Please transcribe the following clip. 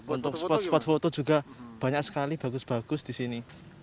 untuk spot spot foto juga banyak sekali bagus bagus di sini